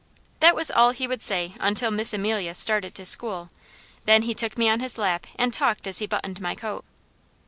That was all he would say until Miss Amelia started to school, then he took me on his lap and talked as he buttoned my coat.